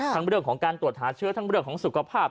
เรื่องของการตรวจหาเชื้อทั้งเรื่องของสุขภาพ